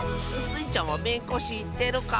スイちゃんはめんこしってるか？